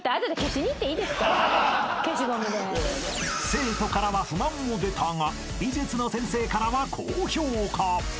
［生徒からは不満も出たが美術の先生からは高評価］